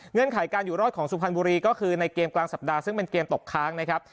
ไขการอยู่รอดของสุพรรณบุรีก็คือในเกมกลางสัปดาห์ซึ่งเป็นเกมตกค้างนะครับ